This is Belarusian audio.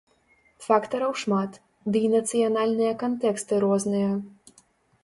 Фактараў шмат, дый нацыянальныя кантэксты розныя.